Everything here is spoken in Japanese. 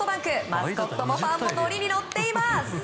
マスコットもファンもノリに乗っています。